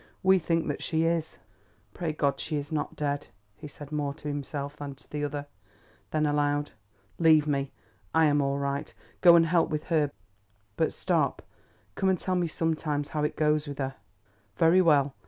We think that she is." "Pray God she is not dead," he said more to himself than to the other. Then aloud—"Leave me; I am all right. Go and help with her. But stop, come and tell me sometimes how it goes with her." "Very well.